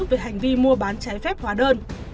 về hành vi mua bán trái phép hóa đơn